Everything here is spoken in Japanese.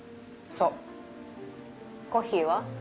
そうコッヒーは？